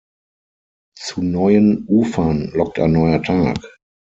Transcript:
Zu neuen Ufern lockt ein neuer Tag.